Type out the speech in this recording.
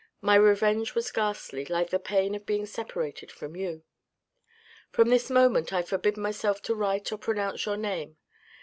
My revenge was ghastly, like the pain of being separated from you. From this moment I forbid myself to write or pronounce your name.